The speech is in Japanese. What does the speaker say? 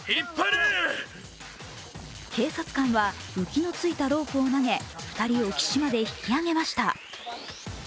警察官は浮きのついたロープを投げ２人を岸まで引き上げました。